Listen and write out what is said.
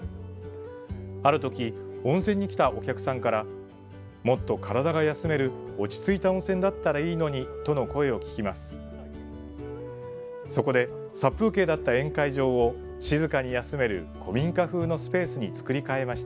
あるとき温泉に来たお客さんからもっと体が休める落ち着いた温泉だったらいいのにとの声を聞きます。